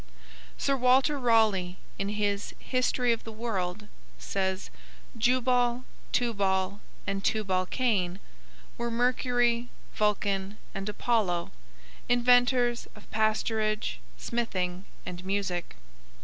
Sir Walter Raleigh, in his "History of the World," says, "Jubal, Tubal, and Tubal Cain were Mercury, Vulcan, and Apollo, inventors of Pasturage, Smithing, and Music.